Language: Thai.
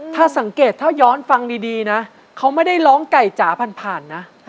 ถ้าสังเกตถ้าย้อนฟังดีนะเขาไม่ได้ร้องไก่จ๋าผ่านนะ